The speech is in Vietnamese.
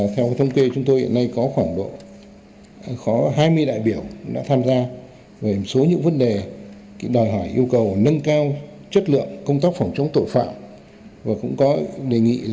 theo thông kê chúng tôi hiện nay có khoảng một vấn đề